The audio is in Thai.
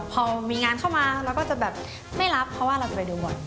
พอมีงานเข้ามาเราก็จะแบบไม่รับเพราะว่าเราจะไปดูหมด